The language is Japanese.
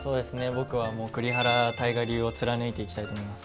僕はもう栗原大河流を貫いていきたいと思います。